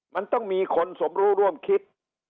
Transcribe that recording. มันต้องมีคนสมรู้ร่วมคิด